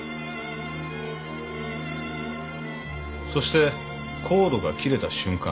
そしてコードが切れた瞬間